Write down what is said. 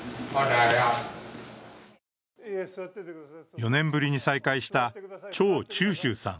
４年ぶりに再会した趙中秋さん